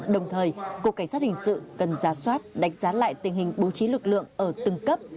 đồng thời cục cảnh sát hình sự cần ra soát đánh giá lại tình hình bố trí lực lượng ở từng cấp